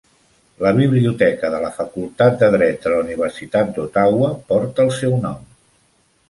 La biblioteca de la facultat de dret de la universitat d'Ottawa porta el seu nom.